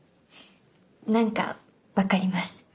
何か分かります。